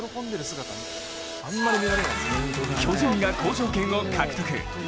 巨人が交渉権を獲得。